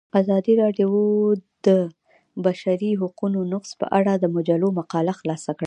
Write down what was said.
ازادي راډیو د د بشري حقونو نقض په اړه د مجلو مقالو خلاصه کړې.